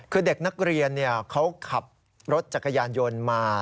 คือเด็กนักเรียนเขาขับรถจักรยานยนต์มา